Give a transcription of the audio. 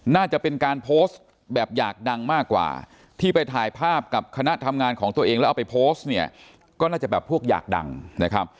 น่าจะเป็นการโพสต์แบบอยากดังมากกว่าที่ไปถ่ายภาพกับคณะทำงานของตัวเองแล้วเอาไปโพสต์เนี่ยก็น่าจะแบบพวกอยากดังนะครับ